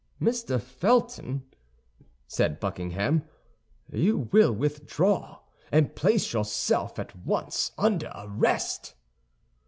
"Mr. Felton," said Buckingham, "you will withdraw, and place yourself at once under arrest."